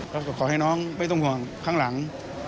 แล้วก็ขอให้น้องไม่ต้องห่วงข้างหลัง